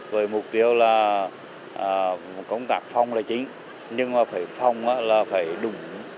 với mục tiêu là công tác phòng là chính nhưng mà phải phòng là phải đủ